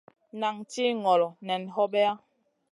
Nan tih ŋolo, nan hobeya.